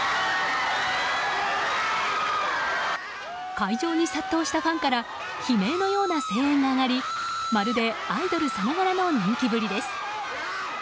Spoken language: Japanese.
会場に殺到したファンから悲鳴のような声援が上がりまるでアイドルさながらの人気ぶりです。